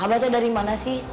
abah teh dari mana sih